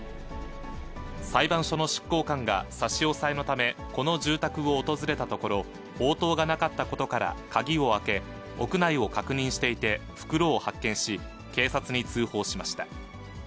裁判所の執行官が差し押さえのため、この住宅を訪れたところ、応答がなかったことから、鍵を開け、屋内を確認していて、袋を発見し、警察に通報しました。